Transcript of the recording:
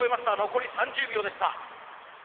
残り３０秒でした。